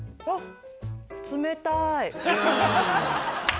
あっ。